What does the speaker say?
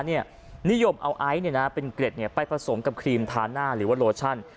นิยมเอาไอซ์เป็นเกร็ดไปผสมกับครีมทาหน้าหรือว่าโลชั่น